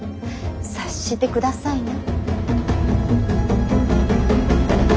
察してくださいな。